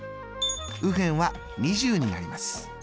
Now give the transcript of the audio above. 右辺は２０になります。